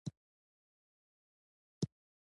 وګړي د افغانستان د طبیعي پدیدو یو بل ډېر ښکلی رنګ دی.